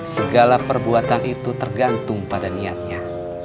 segala perbuatan itu tergantung pada niatnya